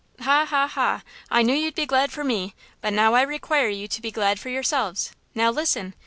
"Ha! Ha! Ha! I knew you'd be glad for me; but now I require you to be glad for yourselves. Now listen!